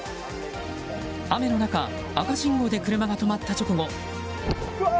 雨の中赤信号で車が止まった直後